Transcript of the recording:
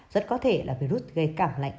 rất có thể là virus gây cảm lạnh